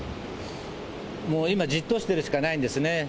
もう今じっとしているしかないんですね。